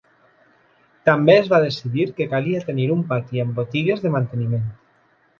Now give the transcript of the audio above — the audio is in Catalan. També es va decidir que calia tenir un pati amb botigues de manteniment.